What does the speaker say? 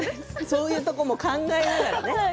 そういうところも考えながら。